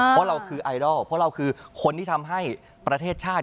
เพราะเราคือไอดอลเพราะเราคือคนที่ทำให้ประเทศชาติ